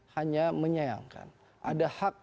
hanya menyayangkan ada hak